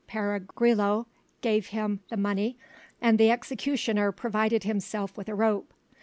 Pere Grillau gave him the money, and the executioner provided himself with a rope.